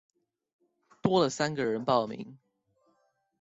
多了三個人報名